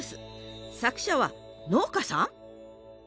作者は農家さん？